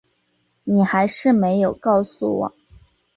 你还是没有告诉我